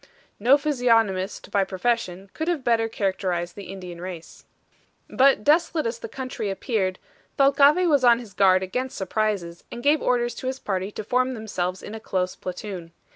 No physiognomist by profession could have better characterized the Indian race. But desolate as the country appeared, Thalcave was on his guard against surprises, and gave orders to his party to form themselves in a close platoon.